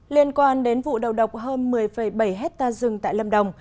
liên quan đến vụ đầu độc hơn một mươi bảy hectare rừng tại lâm đồng